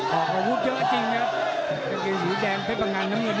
เอาอาวุธเยอะจริงนะครับ